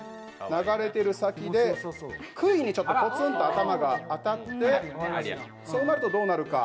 流れてる先で、くいにコツンと頭が当たってそうなるとどうなるか。